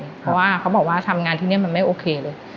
เพราะว่าเขาบอกว่าทำงานที่นี่มันไม่โอเคเลย